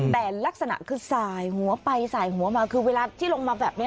แต่ลักษณะคือสายหัวไปสายหัวมาคือเวลาที่ลงมาแบบนี้